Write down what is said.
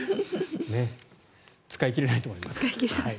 使い切れないと思います。